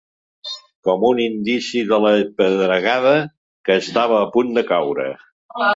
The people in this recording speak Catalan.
Com un indici de la pedregada que estava a punt de caure.